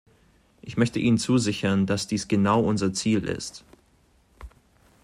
Ich möchte Ihnen zusichern, dass dies genau unser Ziel ist.